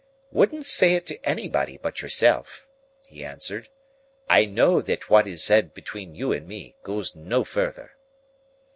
"Wouldn't say it to anybody but yourself," he answered. "I know that what is said between you and me goes no further."